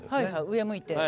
上向いて。